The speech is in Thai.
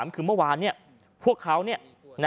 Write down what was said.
คือเมื่อวานเนี่ยพวกเขาเนี่ย